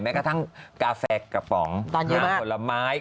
แม้กระทั่งกาแฟกระป๋องน้ำผลไม้